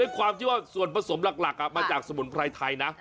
ความที่ว่าส่วนผสมหลักมาจากสมุนไพรไทยนะ